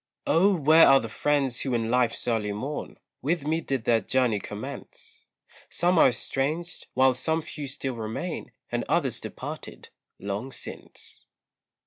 Oh! where are the friends who in life's early morn, With me did their journey commence; Some are estranged, while some few still remain, And others departed long since.